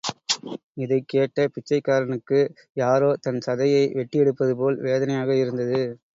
இதைக்கேட்ட பிச்சைக்காரனுக்கு, யாரோ தன் சதையை வெட்டியெடுப்பது போல் வேதனையாக இருந்தது.